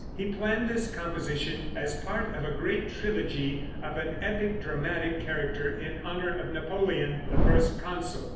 He planned this composition as part of a great trilogy of an epic dramatic character in honor of Napoleon, the first consul.